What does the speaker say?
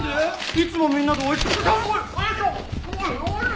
いつもみんなでおいしく。